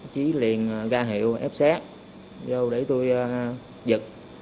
trí liền ra hiệu ép xét vô để tôi giật